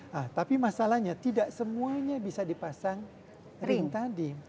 nah tapi masalahnya tidak semuanya bisa dipasang ring tadi